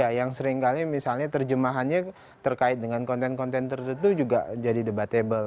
ya yang seringkali misalnya terjemahannya terkait dengan konten konten tertentu juga jadi debatable